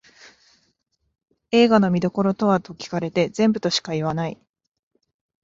映画の見どころはと聞かれて全部としか言わない